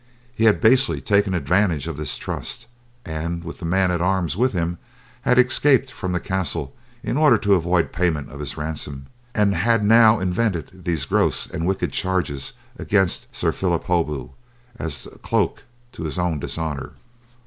He had basely taken advantage of this trust, and with the man at arms with him had escaped from the castle in order to avoid payment of his ransom, and had now invented these gross and wicked charges against Sir Phillip Holbeaut as a cloak to his own dishonour.